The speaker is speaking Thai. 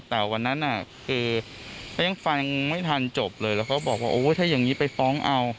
แต่วันนั้นคือเขายังฟังยังไม่ทันจบเลยแล้วเขาบอกว่าโอ้ถ้าอย่างนี้ไปฟ้องเอา